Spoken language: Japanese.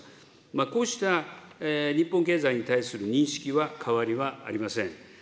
こうした日本経済に対する認識は変わりはありません。